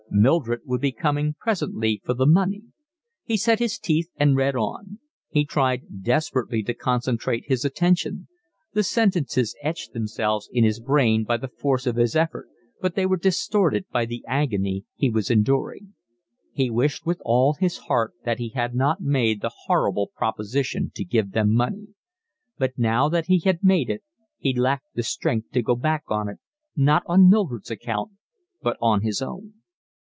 Mildred would be coming presently for the money. He set his teeth and read on; he tried desperately to concentrate his attention; the sentences etched themselves in his brain by the force of his effort, but they were distorted by the agony he was enduring. He wished with all his heart that he had not made the horrible proposition to give them money; but now that he had made it he lacked the strength to go back on it, not on Mildred's account, but on his own.